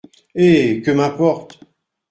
Eh ! que m’importe !